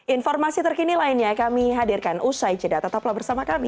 informasi terkini lainnya kami hadirkan usai jeda tetaplah bersama kami